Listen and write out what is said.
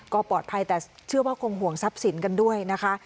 ก็ปลอดภัยแต่เชื่อว่าคงห่วงทรัพย์สินกันด้วยนะคะ